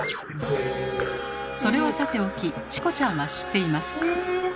それはさておきチコちゃんは知っています。